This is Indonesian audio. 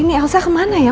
ini elsa kemana ya